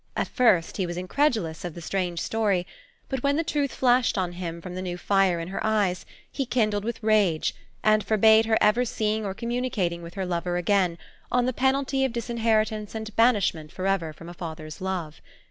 At first he was incredulous of the strange story; but when the truth flashed on him from the new fire in her eyes, he kindled with rage, and forbade her ever seeing or communicating with her lover again, on the penalty of disinheritance and banishment forever from a father's love.